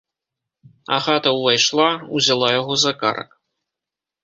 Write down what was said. Агата ўвайшла, узяла яго за карак.